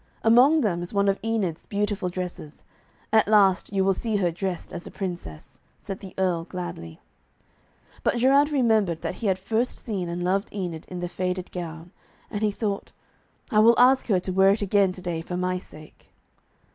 'Among them is one of Enid's beautiful dresses. At last you will see her dressed as a Princess,' said the Earl gladly. But Geraint remembered that he had first seen and loved Enid in the faded gown, and he thought, 'I will ask her to wear it again to day for my sake.'